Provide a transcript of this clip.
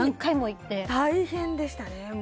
大変でしたね。